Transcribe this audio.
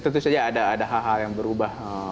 tentu saja ada hal hal yang berubah